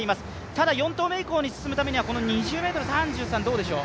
ただ４投目以降に進むためには２２ｍ３３どうでしょう。